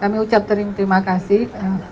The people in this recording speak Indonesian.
kami ucap terima kasih